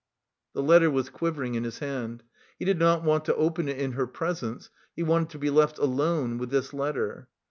The letter was quivering in his hand; he did not want to open it in her presence; he wanted to be left alone with this letter.